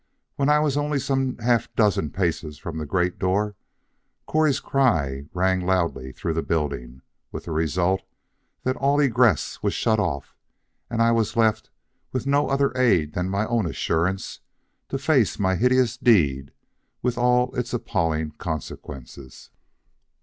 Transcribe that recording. When I was only some half a dozen paces from the great door, Correy's cry rang loudly through the building, with the result that all egress was shut off, and I was left, with no other aid than my own assurance, to face my hideous deed with all its appalling consequences.